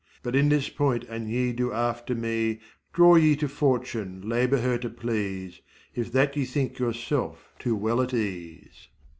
But in this point an28 ye do after me, Draw ye to Fortune, labour her to please If that ye think yourselves too well at ease.